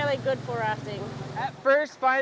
jadi ya sangat bagus untuk menarik wisatawan